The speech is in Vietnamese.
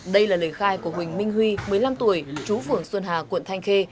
đây là lời khai của huỳnh minh huy một mươi năm tuổi chú phường xuân hà quận thanh khê